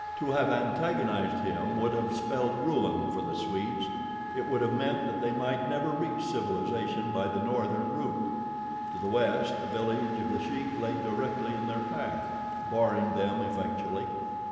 To have antagonized him would have spelled ruin for the Swedes. It would have meant that they might never reach civilization by the northern route. To the west, the village of The Sheik lay directly in their path, barring them effectually.